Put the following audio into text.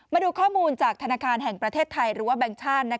มาดูข้อมูลจากธนาคารแห่งประเทศไทยหรือว่าแบงค์ชั่น